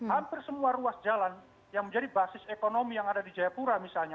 hampir semua ruas jalan yang menjadi basis ekonomi yang ada di jayapura misalnya